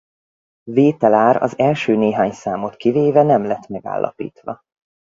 Vételár az első néhány számot kivéve nem lett megállapítva.